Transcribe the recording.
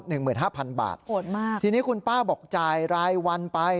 หนึ่งหมื่นห้าพันบาทโหดมากทีนี้คุณป้าบอกจ่ายรายวันไป